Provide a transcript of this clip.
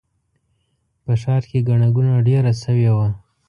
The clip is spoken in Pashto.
په ښار کې ګڼه ګوڼه ډېره شوې وه.